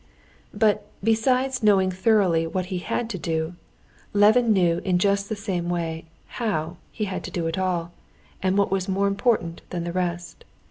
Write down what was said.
But besides knowing thoroughly what he had to do, Levin knew in just the same way how he had to do it all, and what was more important than the rest.